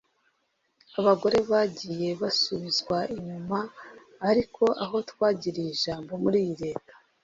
Abagore bagiye basubizwa inyuma ariko aho twagiriye ijambo muri iyi Leta